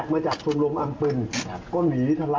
ก็ถอนจากภารกิจที่ตาพยา